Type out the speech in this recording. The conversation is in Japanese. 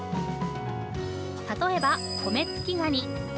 例えば、コメツキガニ。